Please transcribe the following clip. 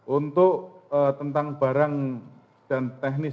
untuk tentang barang dan teknis